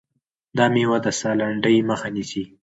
دا مېوه د ساه لنډۍ مخه نیسي.